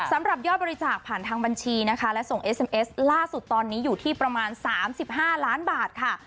สำหรับยอดบริจาคผ่านทางบัญชีนะคะและส่งเอสเอ็มเอสล่าสุดตอนนี้อยู่ที่ประมาณ๓๕ล้านบาทค่ะ